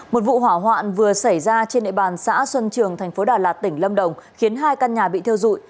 một vụ hỏa hoạn vừa xảy ra trên địa bàn xã xuân trường thành phố đà lạt tỉnh lâm đồng khiến hai căn nhà bị thiêu dụi